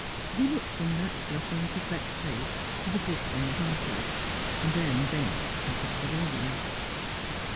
He looked from that blushing, perplexed face to the book on the hearth rug, and then bent to pick up the volume.